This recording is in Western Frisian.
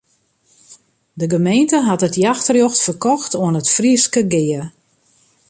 De gemeente hat it jachtrjocht ferkocht oan it Fryske Gea.